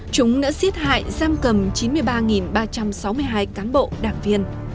chúng đã giết hại giam cầm chín mươi ba ba trăm sáu mươi hai cán bộ đảng viên